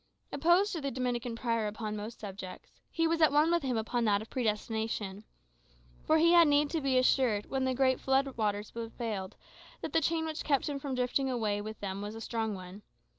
Opposed to the Dominican prior upon most subjects, he was at one with him upon that of predestination. For he had need to be assured, when the great water floods prevailed, that the chain which kept him from drifting away with them was a strong one.